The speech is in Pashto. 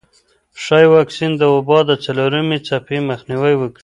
ښايي واکسین د وبا د څلورمې څپې مخنیوی وکړي.